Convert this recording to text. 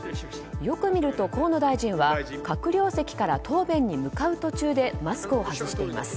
よく見ると、河野大臣は閣僚席から答弁に向かう途中でマスクを外しています。